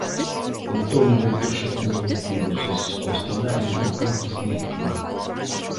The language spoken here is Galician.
Entón moitos xa tiñan metidos eses cuestionarios no campus virtual.